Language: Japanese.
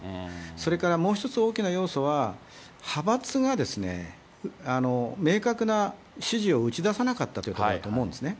それからもう一つ大きな要素は、派閥が明確な支持を打ち出さなかったということだと思うんですね。